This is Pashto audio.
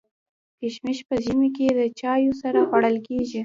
کشمش په ژمي کي د چايو سره خوړل کيږي.